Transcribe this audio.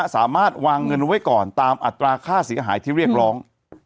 สามารถวางเงินไว้ก่อนตามอัตราค่าเสียหายที่เรียกร้อง